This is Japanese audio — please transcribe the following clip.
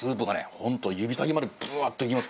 本当指先までブワーッといきます